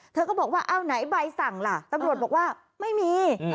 เธอก็บอกว่าเอาไหนใบสั่งล่ะตำรวจบอกว่าไม่มี